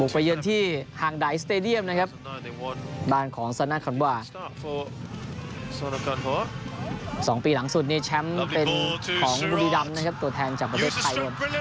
๒ปีหลังสุดเนี่ยแชมป์เป็นของบุรีรำนะครับตัวแทนจากประเทศไทย